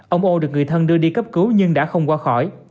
ông o được người thân đưa đi cấp cứu nhưng đã không qua khỏi